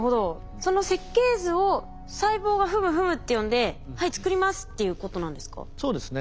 その設計図を細胞がフムフムって読んで「はい作ります」っていうことなんですか？